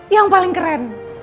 yang paling keren